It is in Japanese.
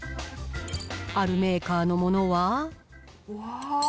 あるメーカーのものは。